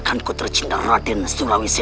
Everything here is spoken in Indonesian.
kamu tidak akan menangis